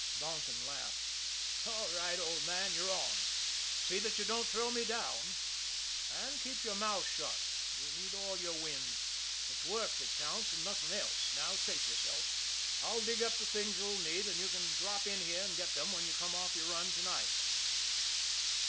Donkin laughed. "All right, old man, you're on. See that you don't throw me down. And keep your mouth shut; you'll need all your wind. It's work that counts, and nothing else. Now chase yourself! I'll dig up the things you'll need, and you can drop in here and get them when you come off your run to night."